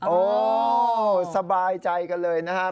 โอ้สบายใจกันเลยนะครับ